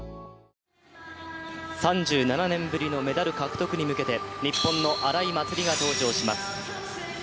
３７年ぶりのメダル獲得に向けて日本の荒井祭里が登場します。